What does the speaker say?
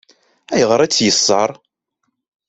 Ayɣer i tt-yeṣṣeṛ?